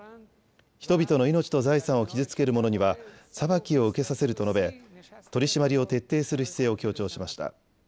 人々の命と財産を傷つける者には裁きを受けさせると述べ取締りを徹底する姿勢を強調しました。